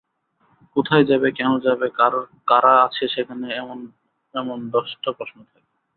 কোথায় যাবে, কেন যাবে, কারা আছে সেখানে—এমন এমন দশটা প্রশ্ন থাকে।